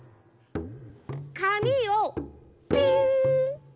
かみをピン。